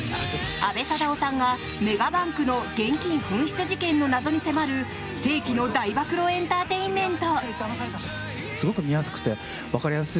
阿部サダヲさんがメガバンクの現金紛失事件の謎に迫る世紀の大暴露エンターテインメント！